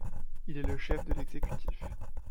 Il est le chef de l'exécutif.